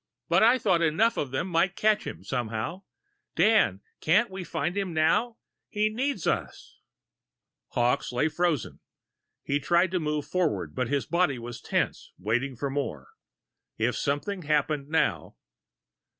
But I thought enough of them might catch him, somehow.... Dan, can't we find him now? He needs us!" Hawkes lay frozen. He tried to move forward, but his body was tensed, waiting for more. If something happened now....